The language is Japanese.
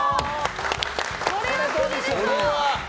これはくるでしょう！